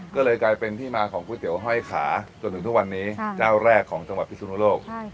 ก็เลยกลายเป็นที่มาของก๋วยเตี๋ห้อยขาจนถึงทุกวันนี้เจ้าแรกของจังหวัดพิสุนโลก